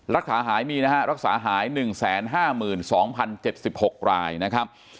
รักษาหายมีนะฮะรักษาหายหนึ่งแสนห้าหมื่นสองพันเจ็ดสิบหกรายนะครับ